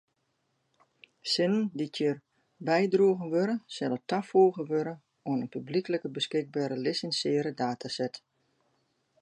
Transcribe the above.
Sinnen dy’t hjir bydroegen wurde sille tafoege wurde oan in publyklik beskikbere lisinsearre dataset.